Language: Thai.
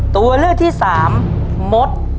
ตัวเลือกที่สามมด